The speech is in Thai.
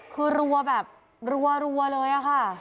คือรัวแบบรัวเลยอะค่ะ